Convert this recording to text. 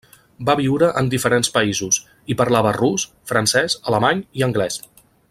Va viure en diferents països, i parlava rus, francès, alemany i anglès.